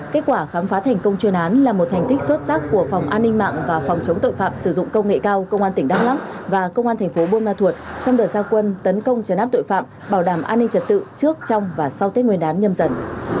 kết quả khám phá thành công chuyên án là một thành tích xuất sắc của phòng an ninh mạng và phòng chống tội phạm sử dụng công nghệ cao công an tỉnh đắk lắc và công an thành phố buôn ma thuột trong đợt giao quân tấn công trấn áp tội phạm bảo đảm an ninh trật tự trước trong và sau tết nguyên đán nhâm dần